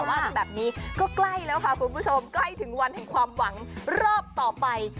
ว่ากันแบบนี้ก็ใกล้แล้วค่ะคุณผู้ชมใกล้ถึงวันแห่งความหวังรอบต่อไป